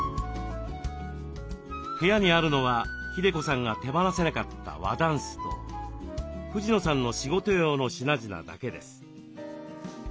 部屋にあるのは日出子さんが手放せなかった和だんすと藤野さんの仕事用の品々だけです。